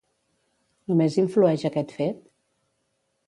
Només influeix aquest fet?